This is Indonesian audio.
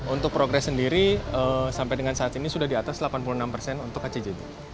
untuk progres sendiri sampai dengan saat ini sudah di atas delapan puluh enam persen untuk kcjb